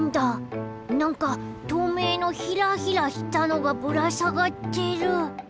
なんかとうめいのヒラヒラしたのがぶらさがってる？